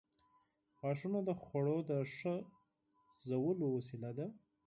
• غاښونه د خوړو د ښه ژولو وسیله ده.